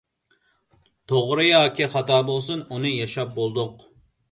توغرا ياكى خاتا بولسۇن، ئۇنى ياشاپ بولدۇق.